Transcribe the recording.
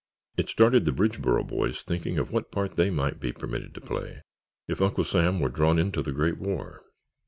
It started the Bridgeboro boys thinking of what part they might be permitted to play if Uncle Sam were drawn into the great war.